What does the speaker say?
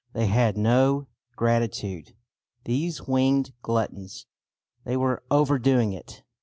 They had no gratitude, these winged gluttons. They were overdoing it.